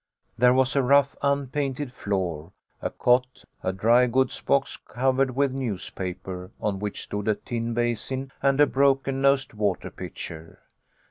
There was a rough, unpainted floor, a cot, a dry goods box covered with newspaper, on which stood a tin basin and a broken nosed water pitcher.